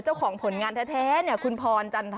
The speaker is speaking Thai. เจ้าของผลงานแท้คือคุณภรวันต่อ